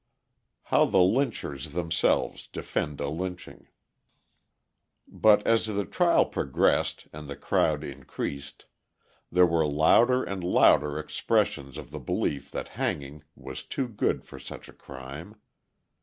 How the Lynchers Themselves Defend a Lynching But as the trial progressed and the crowd increased, there were louder and louder expressions of the belief that hanging was too good for such a crime.